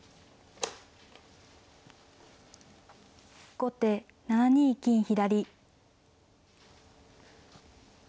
後手７二金左。